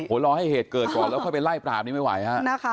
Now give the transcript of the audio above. รอให้เหตุเกิดก่อนแล้วค่อยไปไล่ปราบนี้ไม่ไหวฮะ